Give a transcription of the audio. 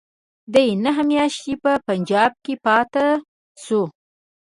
دی نهه میاشتې په پنجاب کې پاته شو.